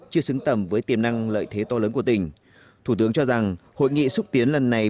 chưa xứng tầm với tiềm năng lợi thế to lớn của tỉnh thủ tướng cho rằng hội nghị xúc tiến lần này